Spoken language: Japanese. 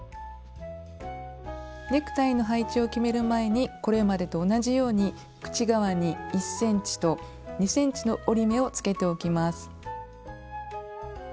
ネクタイの配置を決める前にこれまでと同じように口側に１ｃｍと２ｃｍの折り目をつけておきます。